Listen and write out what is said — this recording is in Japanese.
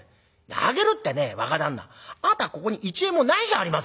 「あげるってね若旦那あなたはここに一円もないじゃありませんか」。